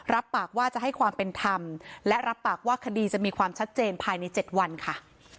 รับปากว่าจะให้ความเป็นธรรมและรับปากว่าคดีจะมีความชัดเจนภายใน๗วันค่ะ